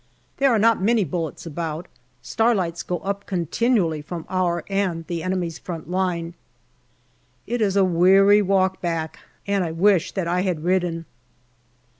There are not many bullets about. Star lights go up continually from our and the enemy's front line. It is a weary walk back, and I wish that I had ridden.